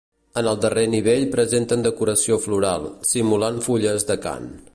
En el darrer nivell presenten decoració floral, simulant fulles d'acant.